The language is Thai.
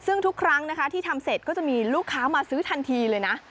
ซึ่งทุกครั้งนะคะที่ทำเสร็จก็จะมีลูกค้ามาซื้อทันทีเลยนะ